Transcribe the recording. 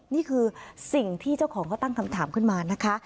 นี่คือสิ่งที่เจ้าของเขาตั้งคำถามขึ้นมานะคะ